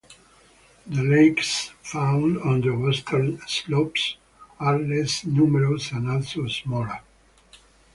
The lakes found on the western slopes are less numerous and also smaller.